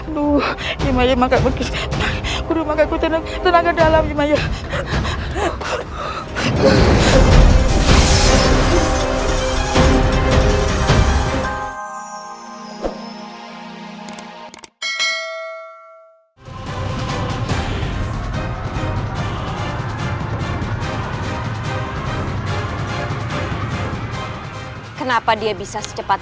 duh ini maya makan begitu udah makanku tenang tenang ke dalam ini maya kenapa dia bisa secepat